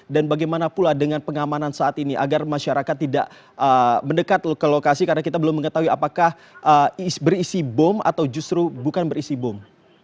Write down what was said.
dan bagaimana pula dengan pengamanan saat ini agar masyarakat tidak mendekat ke lokasi karena kita belum mengetahui apakah berisi bom atau justru bukan berisi bom